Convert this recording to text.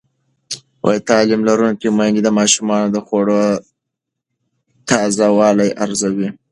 تعلیم لرونکې میندې د ماشومانو د خوړو تازه والی ارزوي.